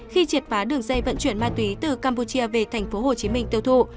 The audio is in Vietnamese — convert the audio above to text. khi triệt phá đường dây vận chuyển ma túy từ campuchia về tp hcm tiêu thụ